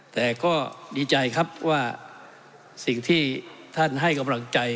แต่ก็ดีใจครับว่าสิ่งที่ท่านให้กำลังใจ